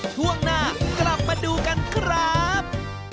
ช่วงหน้ากลับมาดูกันครับ